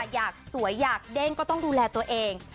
อยากสวยอยากเด้งก็ต้องดูแลตัวเอง